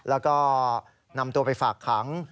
แล้วก็นำตัวไปฝากขัง